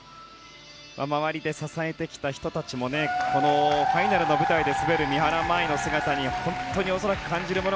周りで支えてきた人たちもファイナルの舞台で滑る三原舞依の姿に恐らく感じるもの